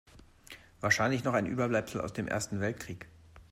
Wahrscheinlich noch ein Überbleibsel aus dem Ersten Weltkrieg.